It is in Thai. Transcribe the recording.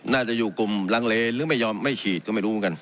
น่าจะอยู่กลุ่มลังเลหรือไม่ยอมไม่ฉีดก็ไม่รู้เหมือนกัน